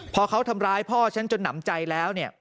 พอเขาทำร้ายพ่อฉันจนหนำใจแล้วเนี่ย